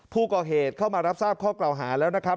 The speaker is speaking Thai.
ผู้ก่อเหตุเข้ามารับทราบข้อเกล่าหาแล้วนะครับ